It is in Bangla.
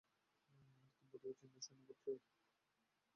এরা তিব্বতি ও চীনাদের সমগোত্রীয়।